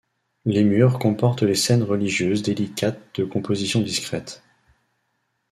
Les murs comportent les scènes religieuses délicates de composition discrète.